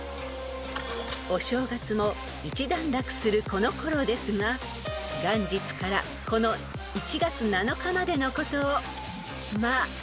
［お正月も一段落するこのころですが元日からこの１月７日までのことを］